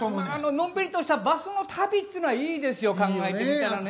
のんびりとしたバスの旅ってのはいいですよ考えてみたらね。